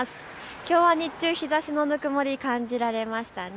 きょうは日中、日ざしのぬくもり感じられましたね。